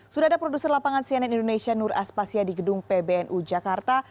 sudah ada produser lapangan cnn indonesia nur aspasya di gedung pbnu jakarta